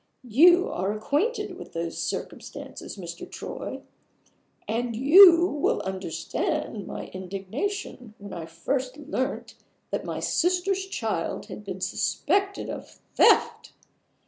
You are acquainted with those circumstances, Mr. Troy; and you will understand my indignation when I first learnt that my sister's child had been suspected of theft.